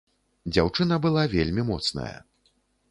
Дзяўчына была вельмі моцная!